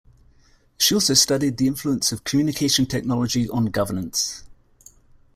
She also studied the influence of communication technology on governance.